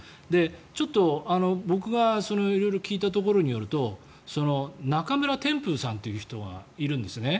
ちょっと僕が色々聞いたところによると中村天風さんという人がいるんですね。